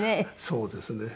そうですね。